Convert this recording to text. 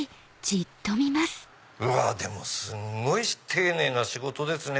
うわすごい丁寧な仕事ですね。